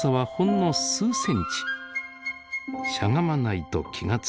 しゃがまないと気が付きません。